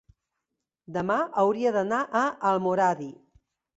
Demà hauria d'anar a Almoradí.